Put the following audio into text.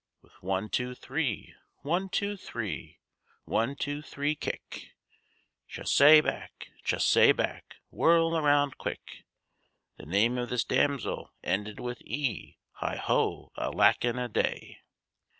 With one, two, three; one, two, three; one, two, three kick; Chassee back, chassee back, whirl around quick. The name of this damsel ended with E Heigh ho; alack and a day!